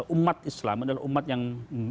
umat islam umat yang